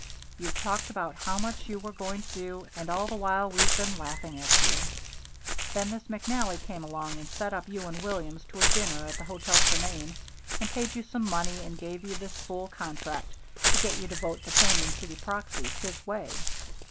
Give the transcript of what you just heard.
You've talked about how much you were going to do, and all the while we've been laughing at you. Then this McNally came along and set up you and Williams to a dinner at the Hotel Tremain and paid you some money and gave you this fool contract, to get you to vote the Tillman City proxies his way."